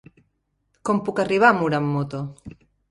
Com puc arribar a Mura amb moto?